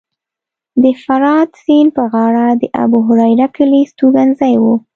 د فرات سیند په غاړه د ابوهریره کلی هستوګنځی و